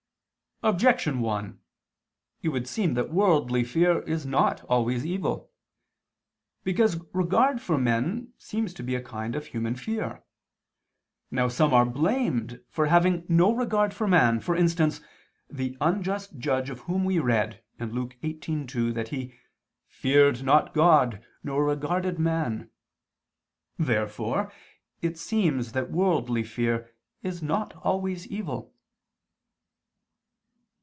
Objection 1: It would seem that worldly fear is not always evil. Because regard for men seems to be a kind of human fear. Now some are blamed for having no regard for man, for instance, the unjust judge of whom we read (Luke 18:2) that he "feared not God, nor regarded man." Therefore it seems that worldly fear is not always evil.